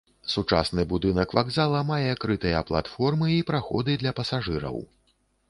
Сучасны будынак вакзала мае крытыя платформы і праходы для пасажыраў.